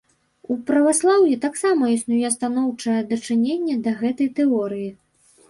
У праваслаўі таксама існуе станоўчае дачыненне да гэтай тэорыі.